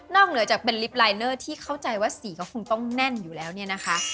เหนือจากเป็นลิฟต์ลายเนอร์ที่เข้าใจว่าสีก็คงต้องแน่นอยู่แล้วเนี่ยนะคะ